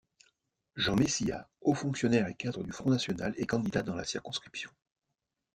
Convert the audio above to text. Jean Messiha, haut fonctionnaire et cadre du Front national, est candidat dans la circonscription.